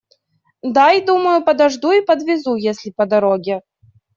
Дай, думаю, подожду и подвезу, если по дороге.